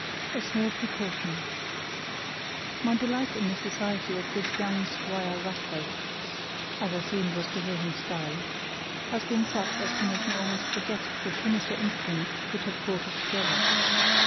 A SMALL PRECAUTION My delight in the society of this young Squire Rattray (as I soon was to hear him styled) had been such as to make me almost forget the sinister incident which had brought us together.